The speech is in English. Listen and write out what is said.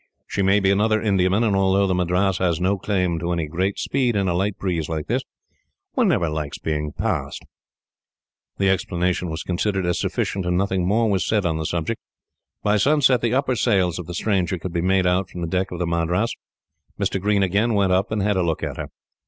She may be another Indiaman, and although the Madras has no claim to any great speed in a light breeze like this, one never likes being passed." The explanation was considered as sufficient, and nothing more was said on the subject. By sunset, the upper sails of the stranger could be made out from the deck of the Madras. Mr. Green again went up, and had a look at her.